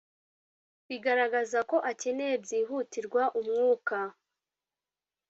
bigaragaza ko akeneye byihutirwa umwuka